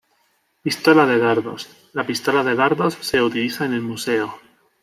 Pistola de dardos: La pistola de dardos se utiliza en el Museo.